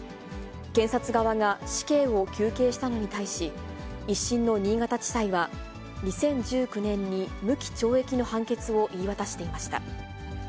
検察側が死刑を求刑したのに対し、１審の新潟地裁は、２０１９年に無期懲役の判決を言い渡していました。